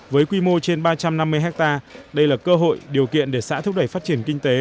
với quy mô trên ba trăm năm mươi hectare đây là cơ hội điều kiện để xã thúc đẩy phát triển kinh tế